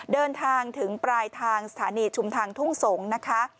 เดินทางถึงปลายทางสถานีชุมทางทุ่งสงศ์นะคะ